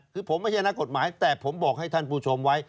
คือผมไม่ใช่นักกฎหมายแต่ผมบอกให้ท่านผู้ชมไว้